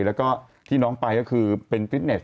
แล้วก็ที่น้องไปก็คือเป็นฟิตเน็